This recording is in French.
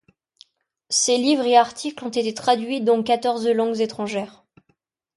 Ses livres et articles ont été traduits dans quatorze langues étrangères.